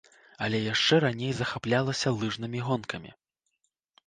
Але яшчэ раней захаплялася лыжнымі гонкамі.